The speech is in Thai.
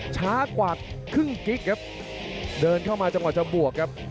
ช้ากว่าครึ่งกิ๊กครับเดินเข้ามาจังหวะจะบวกครับ